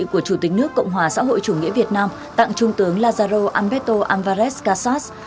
của chủ tịch nước cộng hòa xã hội chủ nghĩa việt nam tặng trung tướng lazaro alberto álvarez casas